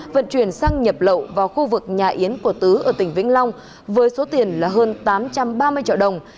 vận chuyển sang nhập lậu vào khu vực nhà yến của tứ ở tỉnh vĩnh long với số tiền là hơn tám trăm ba mươi triệu đồng